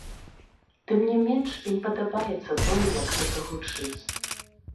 Тым не менш, ім падабаецца тое, як гэта гучыць.